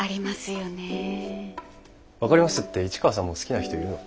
分かりますって市川さんも好きな人いるの？